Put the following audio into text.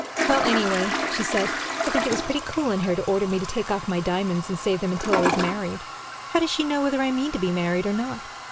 "Well, anyway," she said, "I think it was pretty cool in her to order me to take off my diamonds, and save them until I was married. How does she know whether I mean to be married, or not?